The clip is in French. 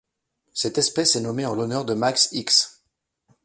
Cette espèce est nommée en l'honneur de Max Hicks.